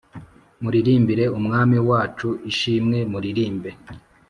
Muririmbire Umwami wacu ishimwe Muririmbe